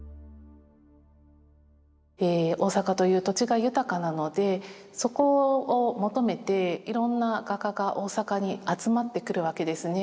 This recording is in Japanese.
大阪という土地が豊かなのでそこを求めていろんな画家が大阪に集まってくるわけですね。